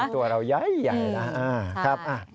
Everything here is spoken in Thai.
ตัวเรายะใหญ่นะ